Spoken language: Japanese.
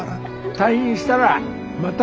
退院したらまた。